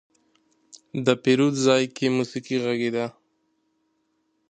د پیرود ځای کې موسيقي غږېده.